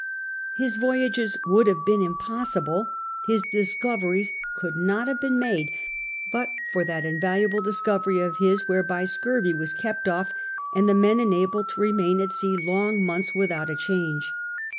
His voyages would have been impossible, his dis coveries could not have been made, but for that in valuable discovery of his whereby scurvy was kept off and the men enabled to remain at sea long months without a change.